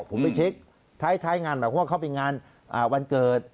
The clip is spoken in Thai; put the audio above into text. ผมไปเช็คท้ายงานแบบว่าเขาไปงานวันเกิด